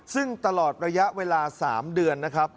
ซึ่งตลอดระยะเวลา๓เดือนนะครับ